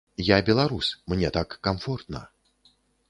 Я беларус, мне так камфортна.